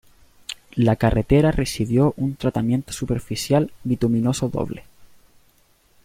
La carretera recibió un tratamiento superficial bituminoso doble.